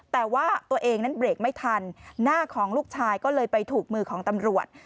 แต่ว่าตัวเองนั้นเบรกไม่ทันหน้าของลูกชายก็เลยไปถูกมือของตำรวจ